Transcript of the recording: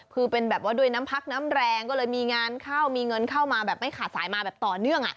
คือเป็นแบบว่าด้วยน้ำพักน้ำแรงก็เลยมีงานเข้ามีเงินเข้ามาแบบไม่ขาดสายมาแบบต่อเนื่อง